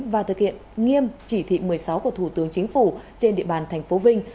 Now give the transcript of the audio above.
và thực hiện nghiêm chỉ thị một mươi sáu của thủ tướng chính phủ trên địa bàn tp vinh